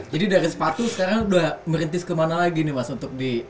jadi dari sepatu sekarang udah merintis kemana lagi nih mas untuk di